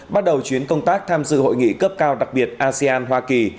bắt đầu chuyến công tác tham dự hội nghị cấp cao đặc biệt asean hoa kỳ